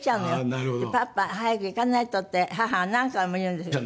「パパ早く行かないと」って母が何回も言うんですけど。